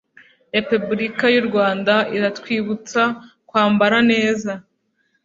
Repubulika yurwanda iratwibutsa kwambara neza